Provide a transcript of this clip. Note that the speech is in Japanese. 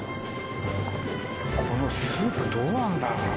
このスープどうなんだろ